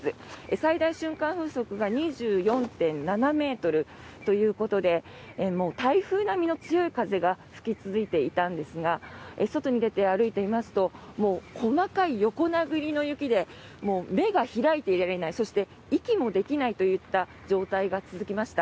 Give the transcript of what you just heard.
最大瞬間風速が２４．７ｍということでもう台風並みの強い風が吹き続いていたんですが外に出て歩いていますと細かい横殴りの雪で目が開いていられないそして、息もできないといった状態が続きました。